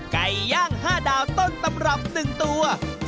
ไก่ย่าง๕ดาวต้นตำรับ๑ตัว